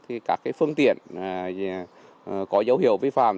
thì các phương tiện có dấu hiệu vi phạm